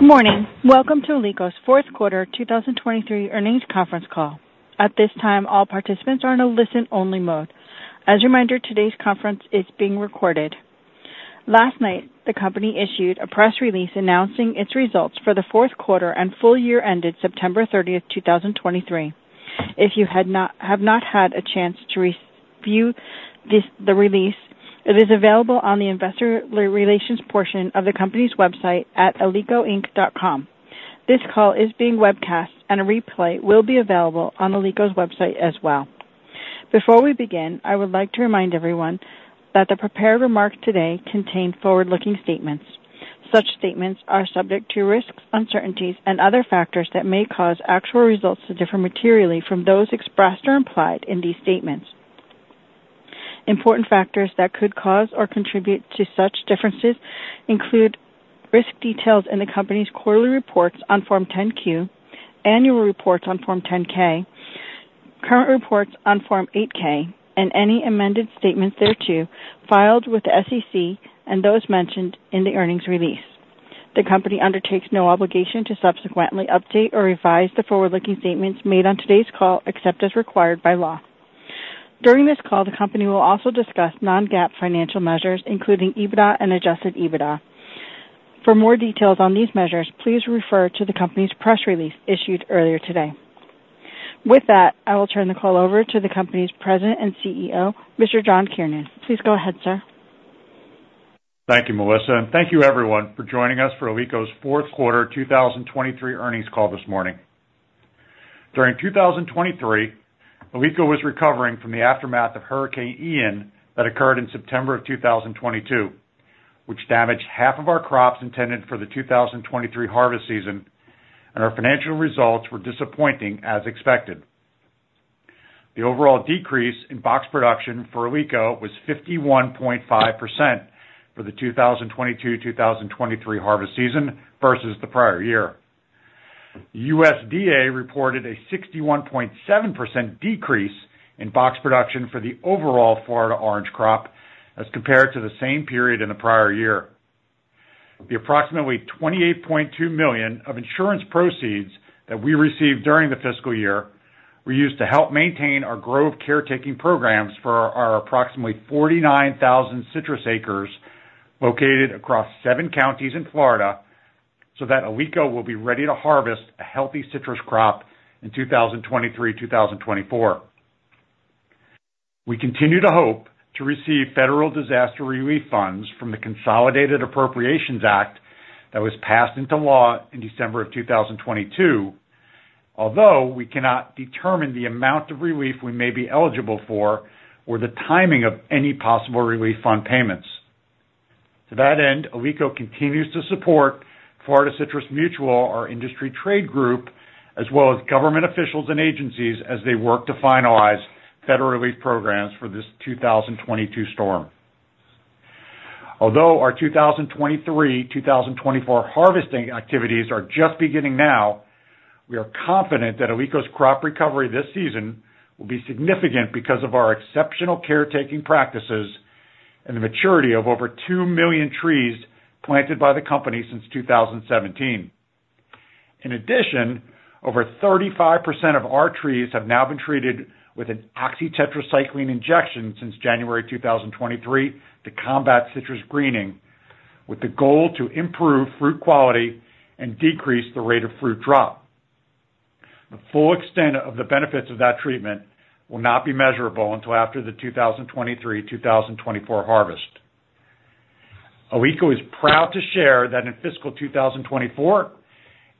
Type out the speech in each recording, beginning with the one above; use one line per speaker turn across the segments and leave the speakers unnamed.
Good morning. Welcome to Alico's fourth quarter 2023 earnings conference call. At this time, all participants are in a listen-only mode. As a reminder, today's conference is being recorded. Last night, the company issued a press release announcing its results for the fourth quarter and full year ended September 30th, 2023. If you have not had a chance to review this, the release, it is available on the investor relations portion of the company's website at alicoinc.com. This call is being webcast, and a replay will be available on Alico's website as well. Before we begin, I would like to remind everyone that the prepared remarks today contain forward-looking statements. Such statements are subject to risks, uncertainties, and other factors that may cause actual results to differ materially from those expressed or implied in these statements. Important factors that could cause or contribute to such differences include risk details in the company's quarterly reports on Form 10-Q, annual reports on Form 10-K, current reports on Form 8-K, and any amended statements thereto filed with the SEC and those mentioned in the earnings release. The company undertakes no obligation to subsequently update or revise the forward-looking statements made on today's call, except as required by law. During this call, the company will also discuss non-GAAP financial measures, including EBITDA and adjusted EBITDA. For more details on these measures, please refer to the company's press release issued earlier today. With that, I will turn the call over to the company's President and CEO, Mr. John Kiernan. Please go ahead, sir.
Thank you, Melissa, and thank you everyone for joining us for Alico's fourth quarter 2023 earnings call this morning. During 2023, Alico was recovering from the aftermath of Hurricane Ian that occurred in September 2022, which damaged half of our crops intended for the 2023 harvest season, and our financial results were disappointing as expected. The overall decrease in box production for Alico was 51.5% for the 2022-2023 harvest season versus the prior year. USDA reported a 61.7% decrease in box production for the overall Florida orange crop as compared to the same period in the prior year. The approximately $28.2 million of insurance proceeds that we received during the fiscal year were used to help maintain our grove caretaking programs for our approximately 49,000 citrus acres located across seven counties in Florida, so that Alico will be ready to harvest a healthy citrus crop in 2023, 2024. We continue to hope to receive federal disaster relief funds from the Consolidated Appropriations Act that was passed into law in December of 2022, although we cannot determine the amount of relief we may be eligible for or the timing of any possible relief fund payments. To that end, Alico continues to support Florida Citrus Mutual, our industry trade group, as well as government officials and agencies as they work to finalize federal relief programs for this 2022 storm. Although our 2023-2024 harvesting activities are just beginning now, we are confident that Alico's crop recovery this season will be significant because of our exceptional caretaking practices and the maturity of over two million trees planted by the company since 2017. In addition, over 35% of our trees have now been treated with an oxytetracycline injection since January 2023 to combat citrus greening, with the goal to improve fruit quality and decrease the rate of fruit drop. The full extent of the benefits of that treatment will not be measurable until after the 2023-2024 harvest. Alico is proud to share that in fiscal 2024,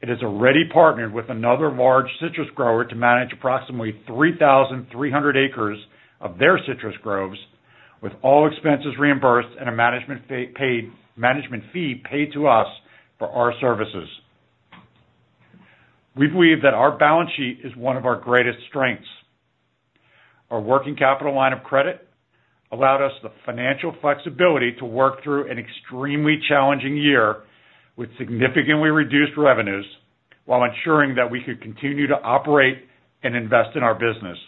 it has already partnered with another large citrus grower to manage approximately 3,300 acres of their citrus groves, with all expenses reimbursed and a management fee paid to us for our services. We believe that our balance sheet is one of our greatest strengths. Our working capital line of credit allowed us the financial flexibility to work through an extremely challenging year with significantly reduced revenues, while ensuring that we could continue to operate and invest in our business.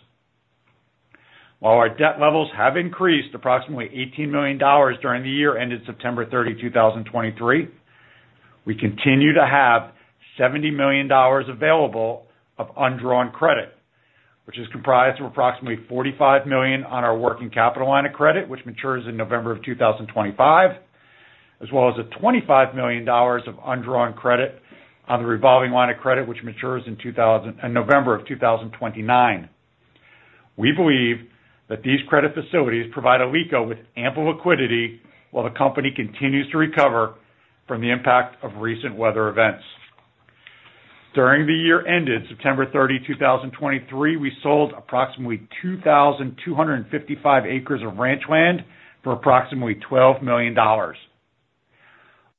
While our debt levels have increased approximately $18 million during the year ended September 30, 2023, we continue to have $70 million available of undrawn credit, which is comprised of approximately $45 million on our working capital line of credit, which matures in November of 2025, as well as $25 million of undrawn credit on the revolving line of credit, which matures in November of 2029. We believe that these credit facilities provide Alico with ample liquidity while the company continues to recover from the impact of recent weather events. During the year ended September 30, 2023, we sold approximately 2,255 acres of ranch land for approximately $12 million.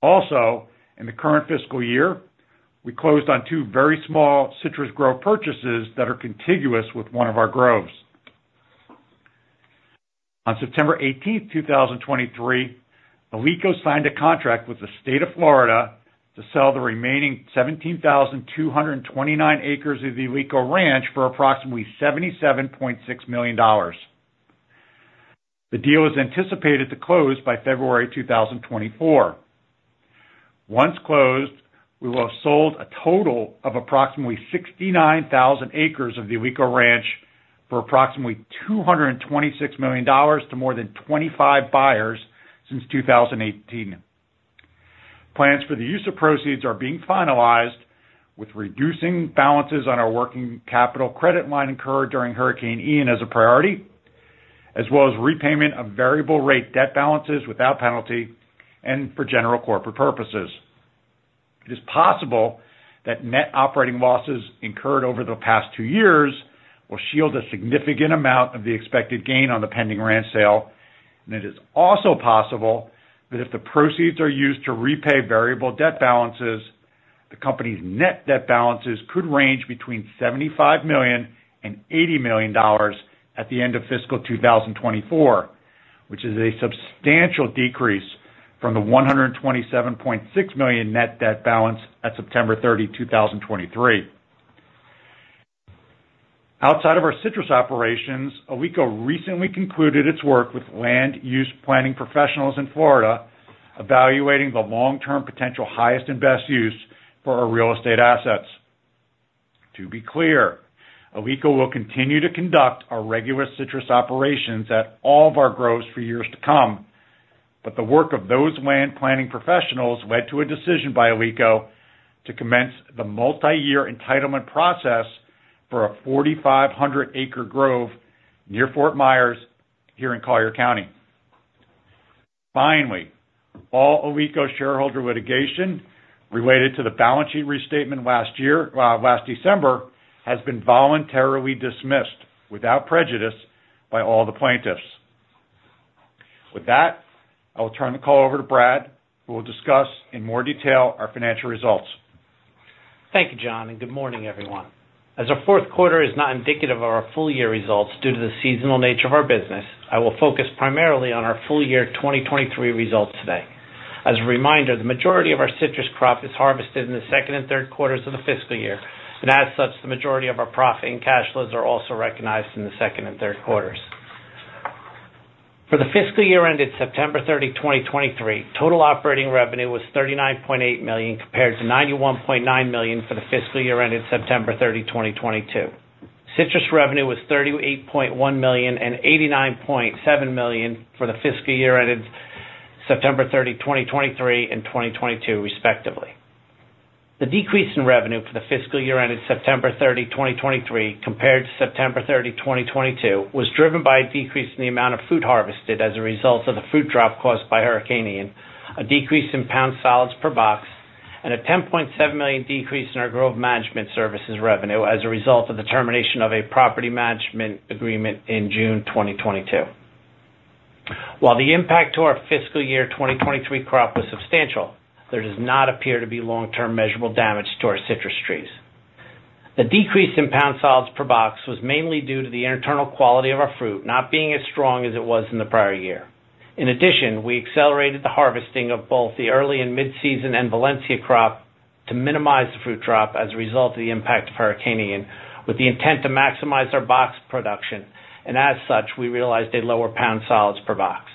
Also, in the current fiscal year, we closed on two very small citrus grove purchases that are contiguous with one of our groves. On September 18th, 2023, Alico signed a contract with the state of Florida to sell the remaining 17,229 acres of the Alico Ranch for approximately $77.6 million. The deal is anticipated to close by February 2024. Once closed, we will have sold a total of approximately 69,000 acres of the Alico Ranch for approximately $226 million to more than 25 buyers since 2018. Plans for the use of proceeds are being finalized, with reducing balances on our working capital credit line incurred during Hurricane Ian as a priority, as well as repayment of variable rate debt balances without penalty and for general corporate purposes. It is possible that net operating losses incurred over the past two years will shield a significant amount of the expected gain on the pending ranch sale, and it is also possible that if the proceeds are used to repay variable debt balances, the company's net debt balances could range between $75 million and $80 million at the end of fiscal 2024, which is a substantial decrease from the $127.6 million net debt balance at September 30, 2023. Outside of our citrus operations, Alico recently concluded its work with land use planning professionals in Florida, evaluating the long-term potential highest and best use for our real estate assets. To be clear, Alico will continue to conduct our regular citrus operations at all of our groves for years to come, but the work of those land planning professionals led to a decision by Alico to commence the multi-year entitlement process for a 4,500-acre grove near Fort Myers, here in Collier County. Finally, all Alico shareholder litigation related to the balance sheet restatement last year, last December, has been voluntarily dismissed without prejudice by all the plaintiffs. With that, I will turn the call over to Brad, who will discuss in more detail our financial results.
Thank you, John, and good morning, everyone. As our fourth quarter is not indicative of our full-year results due to the seasonal nature of our business, I will focus primarily on our full year 2023 results today. As a reminder, the majority of our citrus crop is harvested in the second and third quarters of the fiscal year, and as such, the majority of our profit and cash flows are also recognized in the second and third quarters. For the fiscal year ended September 30, 2023, total operating revenue was $39.8 million, compared to $91.9 million for the fiscal year ended September 30, 2022. Citrus revenue was $38.1 million and $89.7 million for the fiscal year ended September 30, 2023 and 2022, respectively. The decrease in revenue for the fiscal year ended September 30, 2023, compared to September 30, 2022, was driven by a decrease in the amount of fruit harvested as a result of the fruit drop caused by Hurricane Ian, a decrease in pound solids per box, and a $10.7 million decrease in our grove management services revenue as a result of the termination of a property management agreement in June 2022. While the impact to our fiscal year 2023 crop was substantial, there does not appear to be long-term measurable damage to our citrus trees. The decrease in pound solids per box was mainly due to the internal quality of our fruit not being as strong as it was in the prior year. In addition, we accelerated the harvesting of both the early and mid-season and Valencia crop to minimize the fruit drop as a result of the impact of Hurricane Ian, with the intent to maximize our box production, and as such, we realized a lower pound solids per box.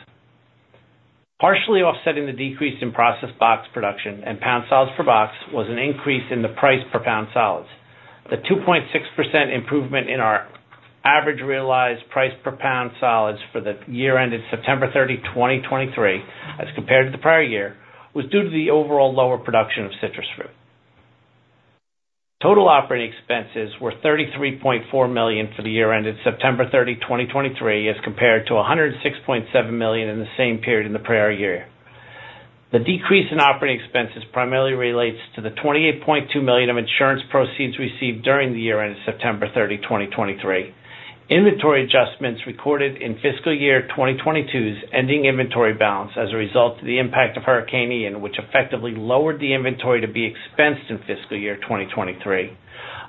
Partially offsetting the decrease in processed box production and pound solids per box was an increase in the price per pound solids. The 2.6% improvement in our average realized price per pound solids for the year ended September 30, 2023, as compared to the prior year, was due to the overall lower production of citrus fruit. Total operating expenses were $33.4 million for the year ended September 30, 2023, as compared to $106.7 million in the same period in the prior year. The decrease in operating expenses primarily relates to the $28.2 million of insurance proceeds received during the year ended September 30, 2023. Inventory adjustments recorded in fiscal year 2022's ending inventory balance as a result of the impact of Hurricane Ian, which effectively lowered the inventory to be expensed in fiscal year 2023,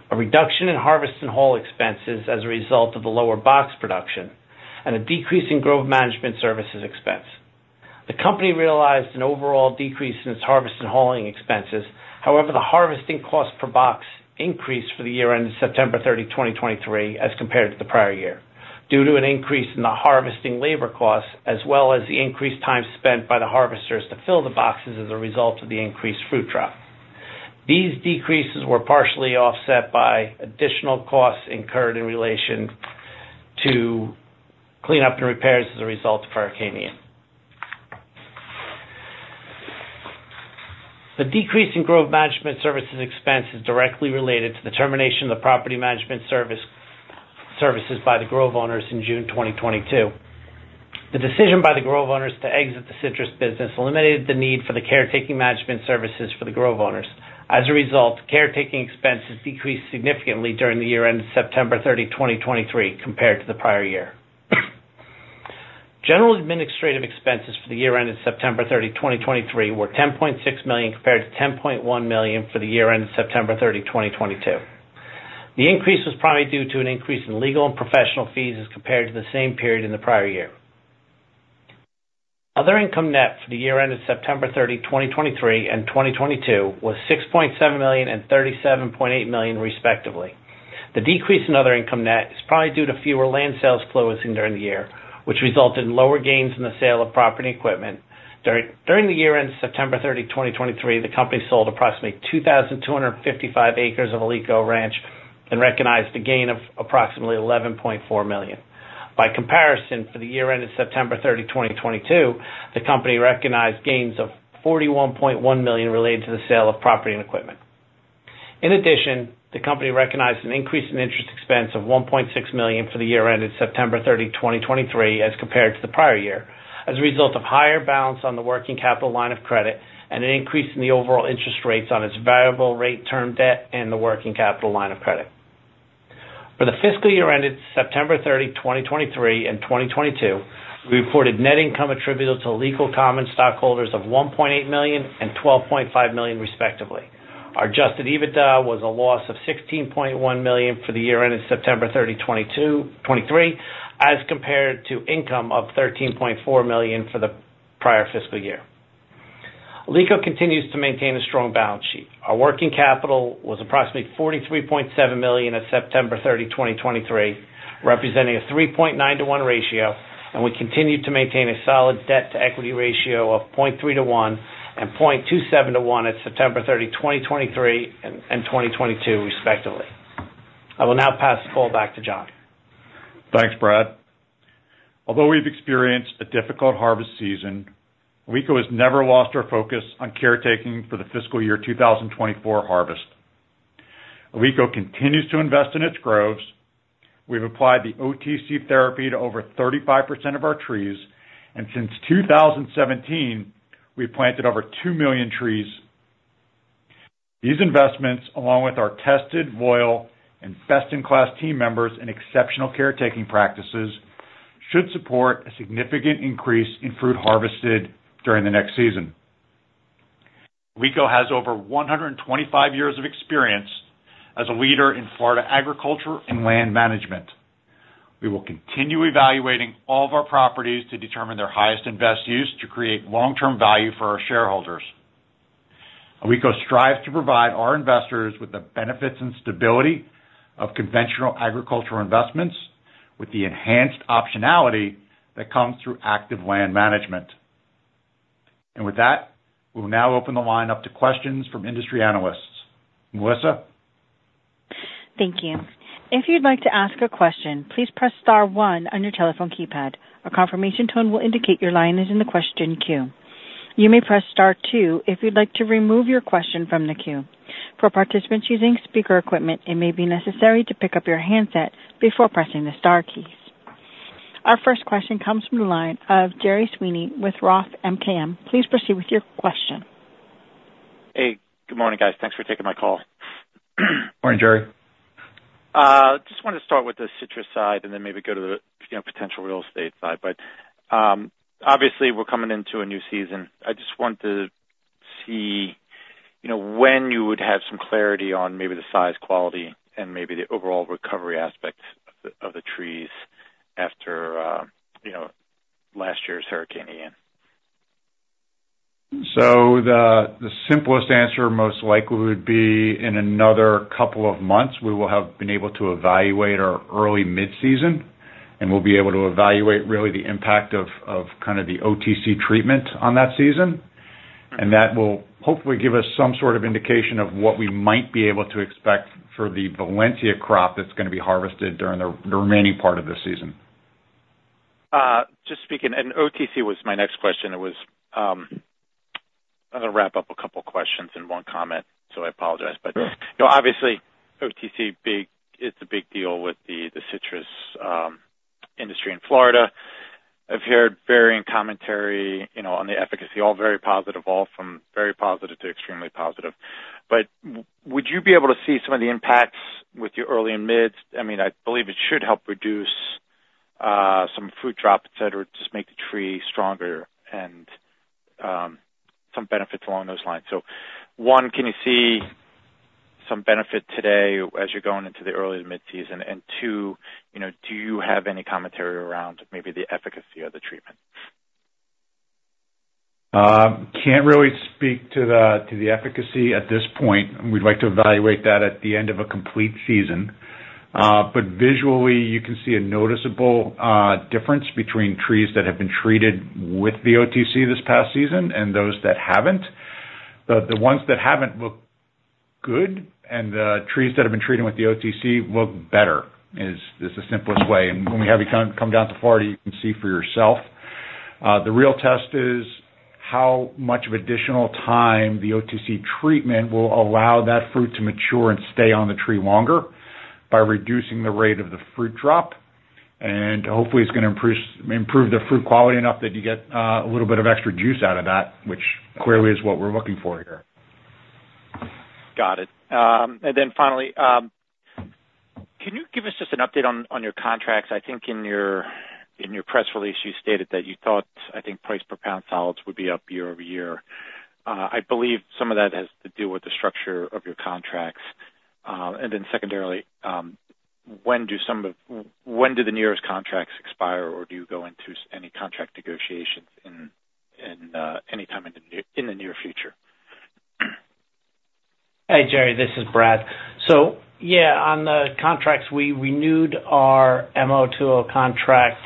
a reduction in harvest and haul expenses as a result of the lower box production, and a decrease in grove management services expense. The company realized an overall decrease in its harvest and hauling expenses. However, the harvesting cost per box increased for the year ended September 30, 2023, as compared to the prior year, due to an increase in the harvesting labor costs, as well as the increased time spent by the harvesters to fill the boxes as a result of the increased fruit drop. These decreases were partially offset by additional costs incurred in relation to cleanup and repairs as a result of Hurricane Ian. The decrease in grove management services expense is directly related to the termination of the property management services by the grove owners in June 2022. The decision by the grove owners to exit the citrus business eliminated the need for the caretaking management services for the grove owners. As a result, caretaking expenses decreased significantly during the year ended September 30, 2023, compared to the prior year. General administrative expenses for the year ended September 30, 2023, were $10.6 million, compared to $10.1 million for the year ended September 30, 2022. The increase was probably due to an increase in legal and professional fees as compared to the same period in the prior year. Other income net for the year ended September 30, 2023 and 2022 was $6.7 million and $37.8 million, respectively. The decrease in other income net is probably due to fewer land sales closing during the year, which resulted in lower gains in the sale of property and equipment. During the year ended September 30, 2023, the company sold approximately 2,255 acres of Alico Ranch and recognized a gain of approximately $11.4 million. By comparison, for the year ended September 30, 2022, the company recognized gains of $41.1 million related to the sale of property and equipment. In addition, the company recognized an increase in interest expense of $1.6 million for the year ended September 30, 2023, as compared to the prior year, as a result of higher balance on the working capital line of credit and an increase in the overall interest rates on its variable rate term debt and the working capital line of credit. For the fiscal year ended September 30, 2023 and 2022, we reported net income attributable to Alico common stockholders of $1.8 million and $12.5 million, respectively. Our adjusted EBITDA was a loss of $16.1 million for the year ended September 30, 2023, as compared to income of $13.4 million for the prior fiscal year. Alico continues to maintain a strong balance sheet. Our working capital was approximately $43.7 million at September 30, 2023, representing a 3.9-to-1 ratio, and we continued to maintain a solid debt-to-equity ratio of 0.3-to-1 and 0.27-to-1 at September 30, 2023 and 2022 respectively. I will now pass the call back to John.
Thanks, Brad. Although we've experienced a difficult harvest season, Alico has never lost our focus on caretaking for the fiscal year 2024 harvest. Alico continues to invest in its groves. We've applied the OTC therapy to over 35% of our trees, and since 2017, we've planted over 2 million trees. These investments, along with our tested, loyal, and best-in-class team members and exceptional caretaking practices, should support a significant increase in fruit harvested during the next season. Alico has over 125 years of experience as a leader in Florida agriculture and land management. We will continue evaluating all of our properties to determine their highest and best use to create long-term value for our shareholders. Alico strives to provide our investors with the benefits and stability of conventional agricultural investments, with the enhanced optionality that comes through active land management. With that, we'll now open the line up to questions from industry analysts. Melissa?
Thank you. If you'd like to ask a question, please press star one on your telephone keypad. A confirmation tone will indicate your line is in the question queue. You may press star two if you'd like to remove your question from the queue. For participants using speaker equipment, it may be necessary to pick up your handset before pressing the star keys. Our first question comes from the line of Gerry Sweeney with Roth MKM. Please proceed with your question.
Hey, good morning, guys. Thanks for taking my call.
Morning, Gerry.
Just wanted to start with the citrus side and then maybe go to the, you know, potential real estate side. But, obviously, we're coming into a new season. I just wanted to see, you know, when you would have some clarity on maybe the size, quality, and maybe the overall recovery aspect of the, of the trees after, you know, last year's Hurricane Ian.
So the simplest answer most likely would be in another couple of months, we will have been able to evaluate our early mid-season, and we'll be able to evaluate really the impact of kind of the OTC treatment on that season. And that will hopefully give us some sort of indication of what we might be able to expect for the Valencia crop that's gonna be harvested during the remaining part of the season.
Just speaking, and OTC was my next question. It was, I'm gonna wrap up a couple questions in one comment, so I apologize.
Sure.
But, you know, obviously, OTC big, it's a big deal with the citrus industry in Florida. I've heard varying commentary, you know, on the efficacy, all very positive, all from very positive to extremely positive. But would you be able to see some of the impacts with your early and mid? I mean, I believe it should help reduce some fruit drop, et cetera, just make the tree stronger and some benefits along those lines. So one, can you see some benefit today as you're going into the early to mid-season? And two, you know, do you have any commentary around maybe the efficacy of the treatment?
Can't really speak to the efficacy at this point. We'd like to evaluate that at the end of a complete season. But visually, you can see a noticeable difference between trees that have been treated with the OTC this past season and those that haven't. The ones that haven't look good, and the trees that have been treated with the OTC look better, is the simplest way. And when we have you come down to Florida, you can see for yourself. The real test is how much of additional time the OTC treatment will allow that fruit to mature and stay on the tree longer by reducing the rate of the fruit drop, and hopefully, it's gonna improve the fruit quality enough that you get a little bit of extra juice out of that, which clearly is what we're looking for here.
Got it. And then finally, can you give us just an update on your contracts? I think in your press release, you stated that you thought, I think, price per pound solids would be up year-over-year. I believe some of that has to do with the structure of your contracts. And then secondarily, when do some of the nearest contracts expire, or do you go into any contract negotiations in the near future?
Hey, Gerry, this is Brad. So, yeah, on the contracts, we renewed our MO two contract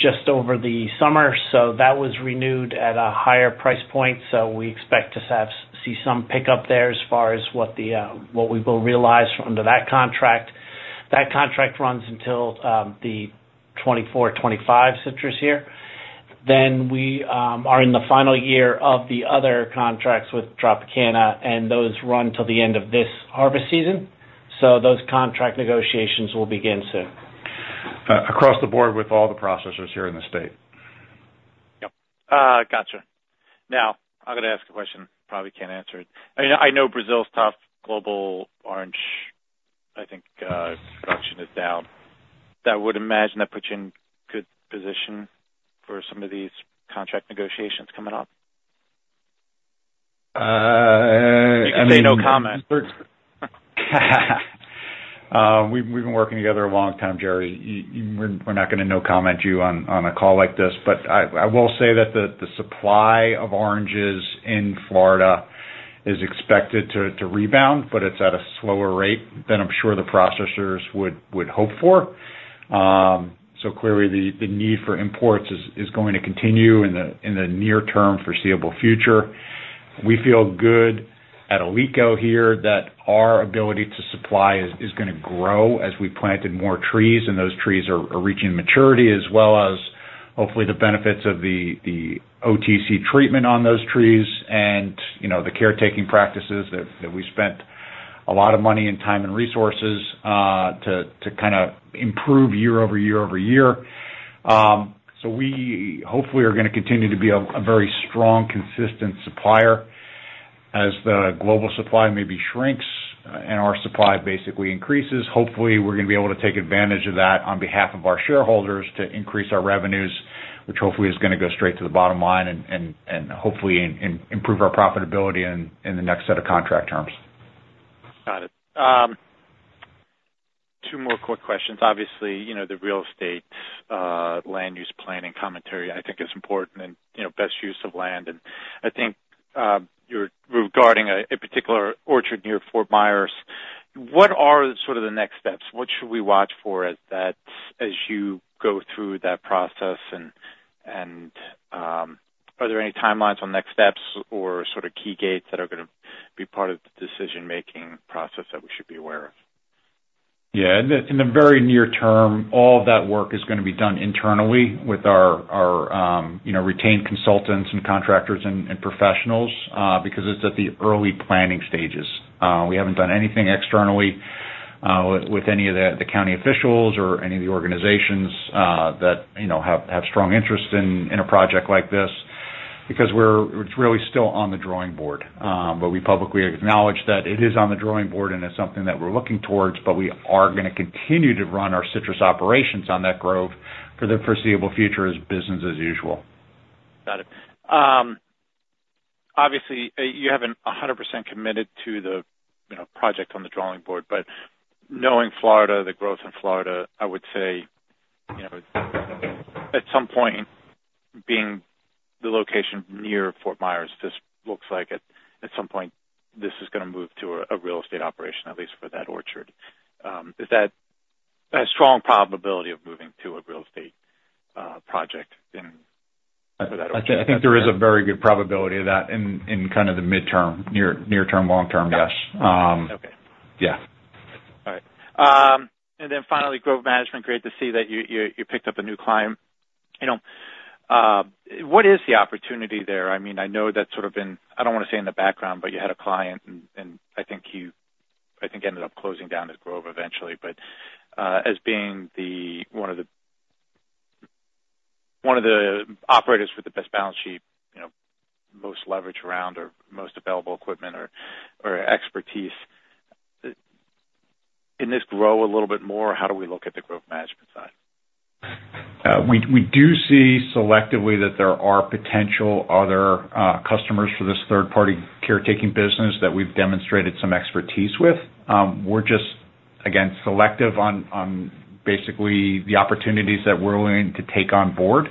just over the summer, so that was renewed at a higher price point. So we expect to have, see some pickup there as far as what the, what we will realize under that contract. That contract runs until the 2024-2025 citrus year. Then we are in the final year of the other contracts with Tropicana, and those run till the end of this harvest season. So those contract negotiations will begin soon.
Across the board with all the processors here in the state.
Yep, gotcha. Now, I'm gonna ask a question, probably can't answer it. I know, I know Brazil's top global orange, I think, production is down. That would imagine that puts you in good position for some of these contract negotiations coming up.
I mean-
You can say no comment.
We've been working together a long time, Gerry. You, we're not gonna no comment you on a call like this. But I will say that the supply of oranges in Florida is expected to rebound, but it's at a slower rate than I'm sure the processors would hope for. So clearly, the need for imports is going to continue in the near-term foreseeable future. We feel good at Alico here that our ability to supply is gonna grow as we planted more trees, and those trees are reaching maturity, as well as hopefully the benefits of the OTC treatment on those trees and, you know, the caretaking practices that we spent a lot of money and time and resources to kinda improve year over year over year. So we hopefully are gonna continue to be a very strong, consistent supplier. As the global supply maybe shrinks, and our supply basically increases, hopefully, we're gonna be able to take advantage of that on behalf of our shareholders to increase our revenues, which hopefully is gonna go straight to the bottom line and hopefully improve our profitability in the next set of contract terms.
Got it. Two more quick questions. Obviously, you know, the real estate, land use planning commentary, I think is important and, you know, best use of land. And I think you're regarding a particular orchard near Fort Myers, what are sort of the next steps? What should we watch for as you go through that process? And are there any timelines on next steps or sort of key gates that are gonna be part of the decision-making process that we should be aware of?
Yeah, in the very near term, all that work is gonna be done internally with our you know retained consultants and contractors and professionals, because it's at the early planning stages. We haven't done anything externally with any of the county officials or any of the organizations that you know have strong interest in a project like this, because we're. It's really still on the drawing board. But we publicly acknowledge that it is on the drawing board, and it's something that we're looking towards, but we are gonna continue to run our citrus operations on that grove for the foreseeable future as business as usual.
Got it. Obviously, you haven't 100% committed to the, you know, project on the drawing board, but knowing Florida, the growth in Florida, I would say, you know, at some point, being the location near Fort Myers, just looks like at some point, this is gonna move to a real estate operation, at least for that orchard. Is that a strong probability of moving to a real estate project in for that?
I think there is a very good probability of that in kind of the midterm, near term, long term, yes.
Okay.
Um, yeah.
All right. And then finally, grove management. Great to see that you picked up a new client. You know, what is the opportunity there? I mean, I know that's sort of been... I don't wanna say in the background, but you had a client, and I think you ended up closing down his grove eventually. But, as being the one of the operators with the best balance sheet, you know, most leverage around or most available equipment or expertise, can this grow a little bit more? How do we look at the growth management side?
We do see selectively that there are potential other customers for this third-party caretaking business that we've demonstrated some expertise with. We're just, again, selective on basically the opportunities that we're willing to take on board.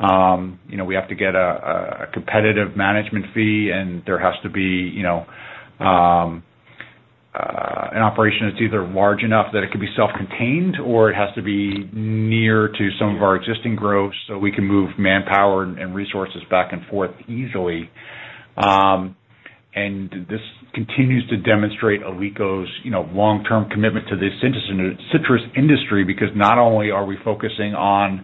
You know, we have to get a competitive management fee, and there has to be, you know, an operation that's either large enough that it could be self-contained, or it has to be near to some of our existing groves, so we can move manpower and resources back and forth easily. And this continues to demonstrate Alico's, you know, long-term commitment to the citrus industry, because not only are we focusing on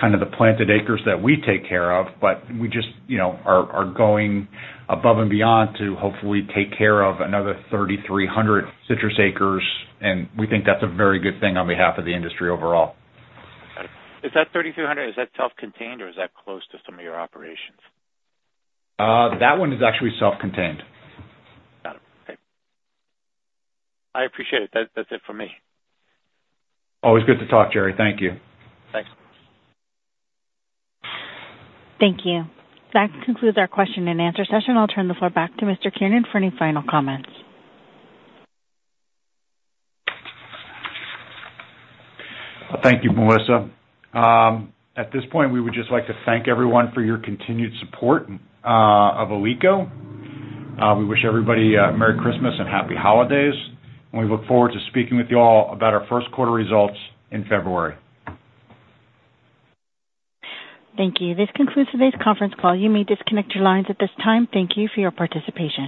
kind of the planted acres that we take care of, but we just, you know, are going above and beyond to hopefully take care of another 3,300 citrus acres, and we think that's a very good thing on behalf of the industry overall.
Is that 3,200, is that self-contained, or is that close to some of your operations?
That one is actually self-contained.
Got it. Okay. I appreciate it. That, that's it for me.
Always good to talk, Gerry. Thank you.
Thanks.
Thank you. That concludes our question and answer session. I'll turn the floor back to Mr. Kiernan for any final comments.
Thank you, Melissa. At this point, we would just like to thank everyone for your continued support of Alico. We wish everybody a Merry Christmas and happy holidays, and we look forward to speaking with you all about our first quarter results in February.
Thank you. This concludes today's conference call. You may disconnect your lines at this time. Thank you for your participation.